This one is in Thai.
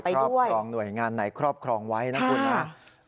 ครอบครองหน่วยงานไหนครอบครองไว้นะครับ